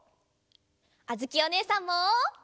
あづきおねえさんも。